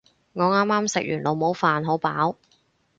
我啱啱食完老母飯，好飽